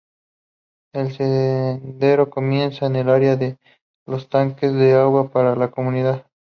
El sendero comienza en el área de los tanques de agua para la comunidad.